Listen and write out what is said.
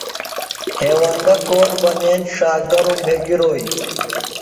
ہیوندہ کوٹ بنین ݜا گرُم بھےۡ گِروئی